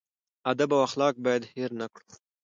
ادب او اخلاق باید هېر نه کړو.